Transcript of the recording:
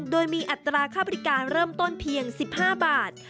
โดยมีอัตราค่าบริการเริ่มต้นเพียง๑๕บาท